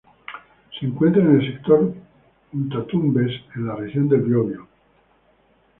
Se encuentra en el sector Punta Tumbes en la Región del Biobío.